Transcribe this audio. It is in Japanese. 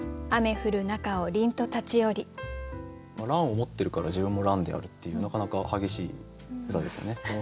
蘭を持ってるから自分も蘭であるっていうなかなか激しい歌ですよね。